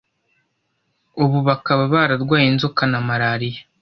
ubu bakaba bararwaye inzoka na malariya